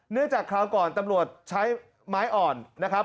จากคราวก่อนตำรวจใช้ไม้อ่อนนะครับ